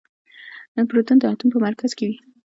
پروتون د اتوم په مرکز کې وي.